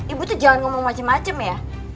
ibu tuh jangan ngomong macem macem ya